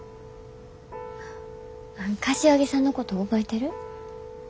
柏木さんのこと覚えてる？